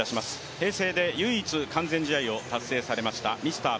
平成で唯一完全試合を達成されましたミスター